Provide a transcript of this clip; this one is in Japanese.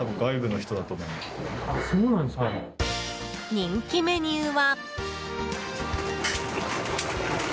人気メニューは。